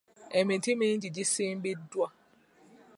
Emiti mingi gisimbiddwa.